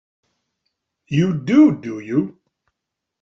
You do, do you?